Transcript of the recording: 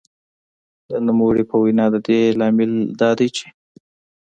د نوموړې په وینا د دې لامل دا دی چې